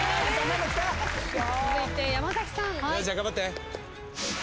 続いて山崎さん。